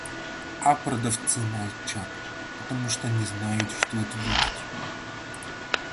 А продавцы молчат, потому что не знают, что ответить.